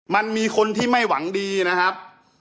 มันมีคนที่ไม่หวังดีนะครับ